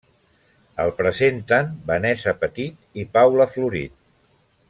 El presenten Vanessa Petit i Paula Florit.